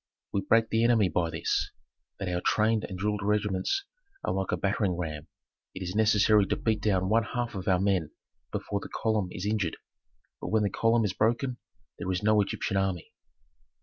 We break the enemy by this, that our trained and drilled regiments are like a battering ram: it is necessary to beat down one half of our men before the column is injured. But when the column is broken, there is no Egyptian army."